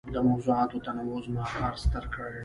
د موضوعاتو تنوع زما کار ستر کړ.